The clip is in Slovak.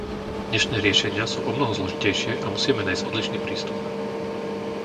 Dnešné riešenia sú omnoho zložitejšie a musíme nájsť odlišný prístup.